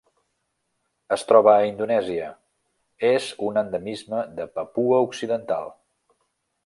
Es troba a Indonèsia: és un endemisme de Papua Occidental.